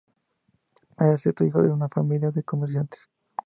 Era el sexto hijo de una familia de comerciantes.